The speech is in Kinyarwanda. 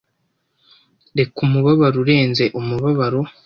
Reka umubabaro urenze umubabaro